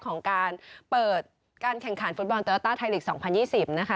ของการเปิดการแข่งขันฟุตบอลโยต้าไทยลีก๒๐๒๐นะคะ